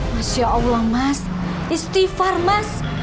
masya allah mas istighfar mas